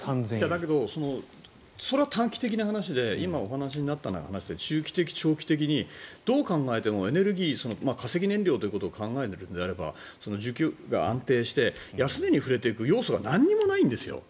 だけどそれは短期的な話で今お話にあったので中期的長期的にどう考えてもエネルギー化石燃料ということを考えるなら需給が安定して安値に振れていく要素が何もないんですよ。